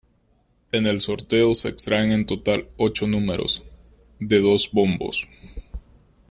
En el sorteo se extraen en total ocho números, de dos bombos.